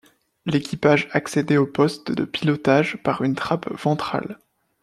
L’équipage accédait au poste de pilotage par une trappe ventrale.